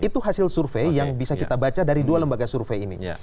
itu hasil survei yang bisa kita baca dari dua lembaga survei ini